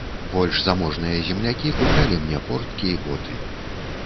Больш заможныя землякі куплялі мне порткі і боты.